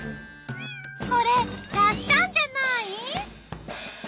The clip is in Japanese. これがっしゃんじゃない？